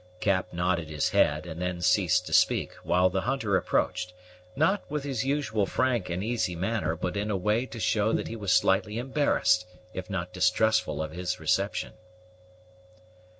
Cap nodded his head, and then ceased to speak, while the hunter approached, not with his usual frank and easy manner, but in a way to show that he was slightly embarrassed, if not distrustful of his reception.